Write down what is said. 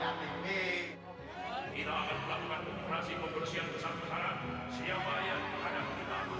hai ini soal demokrasi demokrasi kita sudah terlalu mahal